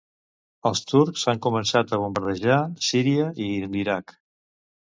Els turcs han començat a bombardejar Síria i l'Iraq.